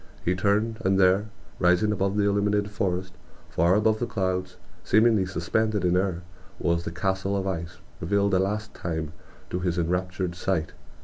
He turned, and there, rising above the illuminated forest, far above the clouds, seemingly suspended in the air, was the castle of ice, revealed a last time to his enraptured sight.